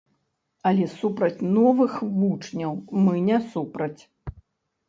Але супраць новых вучняў мы не супраць.